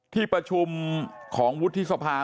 ที่ประชุมของวุฒิสภา